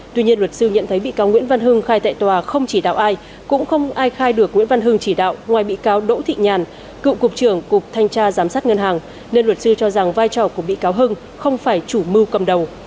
tuy nhiên luật sư nhận thấy bị cáo nguyễn văn hưng khai tại tòa không chỉ đạo ai cũng không ai khai được nguyễn văn hưng chỉ đạo ngoài bị cáo đỗ thị nhàn cựu cục trưởng cục thanh tra giám sát ngân hàng nên luật sư cho rằng vai trò của bị cáo hưng không phải chủ mưu cầm đầu